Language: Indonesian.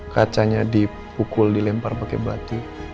kacanya dipukul dilempar pakai batu